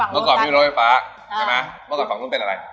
เมื่อก่อนไม่มีรถไฟฟ้าใช่ไหมเมื่อก่อนฝั่งนู้นเป็นอะไร